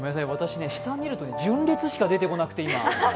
下見ると純烈しか出てこなくて。